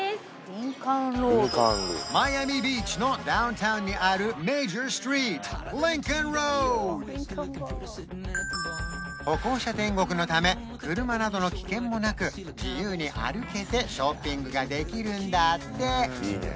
マイアミビーチのダウンタウンにあるメジャーストリートリンカーンロード歩行者天国のため車などの危険もなく自由に歩けてショッピングができるんだって